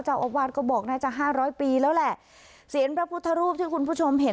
เจ้าอาวาสก็บอกน่าจะห้าร้อยปีแล้วแหละเสียงพระพุทธรูปที่คุณผู้ชมเห็น